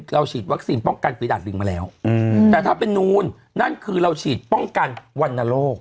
ฉีดวัคซีนป้องกันฝีดาดลิงมาแล้วแต่ถ้าเป็นนูนนั่นคือเราฉีดป้องกันวรรณโรค